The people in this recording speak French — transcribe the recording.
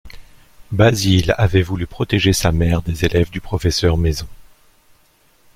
Basile avait voulu protéger sa mère des élèves du professeur Maison.